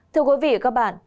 thưa quý vị và các bạn